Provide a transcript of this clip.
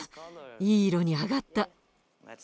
いい色に揚がった。